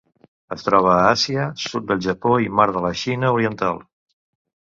Es troba a Àsia: sud del Japó i Mar de la Xina Oriental.